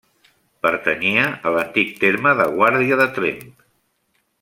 Pertanyia a l'antic terme de Guàrdia de Tremp.